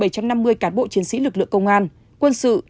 bảy trăm năm mươi cán bộ chiến sĩ lực lượng công an quân sự